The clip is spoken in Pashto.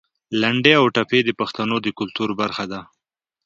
لنډۍ او ټپې د پښتنو د کلتور برخه ده.